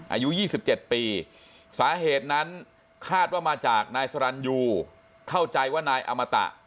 อายุ๒๗ปีสาเหตุนั้นคาดว่ามาจากนายสรรยูเข้าใจว่านายอมตะ